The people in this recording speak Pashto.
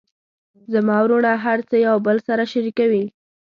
زما وروڼه هر څه یو بل سره شریکوي